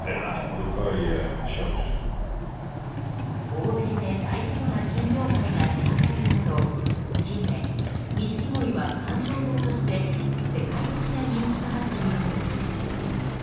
欧米で大規模な品評会が開かれるなど近年、ニシキゴイは観賞用として世界的な人気となっているのです。